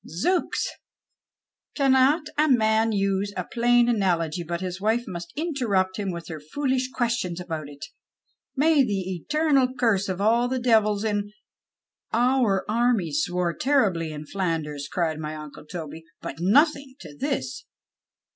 " Zooks ! Cannot a man use a plain analogy but his wife nuist interrupt him with her focjjish questions about it ? May the eternal curse of all the devils in "" Our armies swore terribly in Flanders," cried my uncle Toby, " but nothing to this."